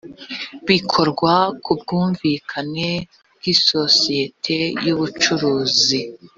bikorwa ku bwumvikane bw’isosiyete y’ubucuruzi